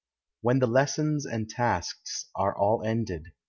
When the lessons and tasks are all ended.